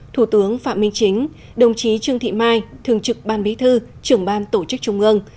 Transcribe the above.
thủ tướng phạm minh chính đồng chí trương thị mai thường trực ban bí thư trưởng ban tổ chức trung ương